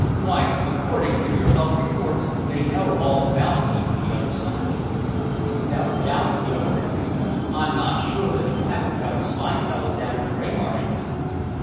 Why, according to your own reports, they know all about me on the other side." "Not a doubt about it," the other agreed. "I'm not sure that you haven't got a spy fellow down at Dreymarsh now."